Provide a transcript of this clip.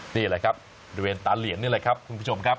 นี่แหละครับบริเวณตาเหรียญนี่แหละครับคุณผู้ชมครับ